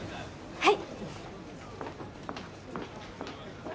はい！